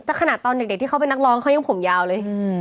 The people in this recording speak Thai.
แต่ขนาดตอนเด็กที่เขาเป็นนักร้องเขายังผมยาวเลย